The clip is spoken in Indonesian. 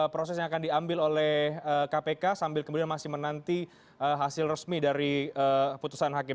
proses yang akan diambil oleh kpk sambil kemudian masih menanti hasil resmi dari putusan hakim